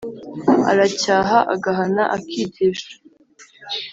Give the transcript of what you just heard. Aracyaha, agahana, akigisha,